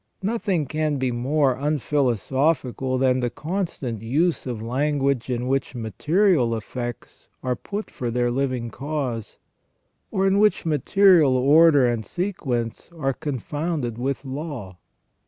Nothing can be more unphilosophical than the constant use of language in which material effects are put for their living cause, or in which material order and sequence are confounded with law.